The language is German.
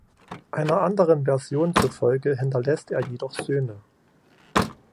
Einer anderen Version zufolge hinterlässt er jedoch Söhne.